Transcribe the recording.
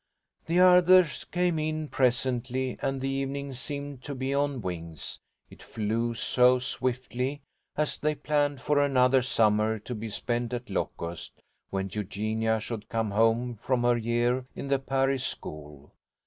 The others came in presently, and the evening seemed to be on wings, it flew so swiftly, as they planned for another summer to be spent at Locust, when Eugenia should come home from her year in the Paris school.